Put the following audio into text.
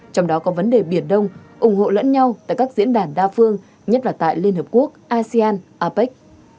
trong đó có vấn đề biển đông ủng hộ lẫn nhau tại các diễn đàn đa phương nhất là tại liên hợp quốc asean apec